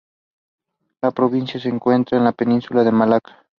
La provincia se encuentra en la península de Malaca.